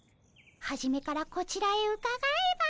はじめからこちらへうかがえば。